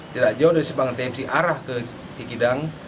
tidak jauh dari simpang tmc arah ke cikidang